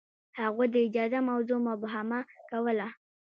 هغوی د اجازه موضوع مبهمه کوله.